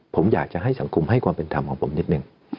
ผมอยากจะให้สังคมให้ความเป็นธรรมของผมนิดหนึ่ง